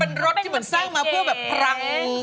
มันเป็นรถเมื่อสร้างมาเพื่อพรังกัน